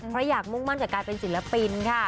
เพราะอยากมุ่งมั่นกับการเป็นศิลปินค่ะ